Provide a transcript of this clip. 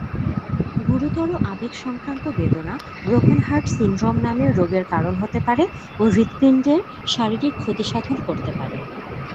গুরুতর আবেগ সংক্রান্ত বেদনা 'ব্রোকেন হার্ট সিনড্রোম' নামক রোগের কারণ হতে পারে ও হৃৎপিণ্ডের শারীরিক ক্ষতিসাধন করতে পারে।